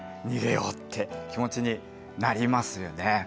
逃げようって気持ちになりますよね。